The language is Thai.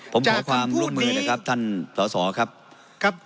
ผมขอความร่วมมือนะครับท่านสอสอครับครับ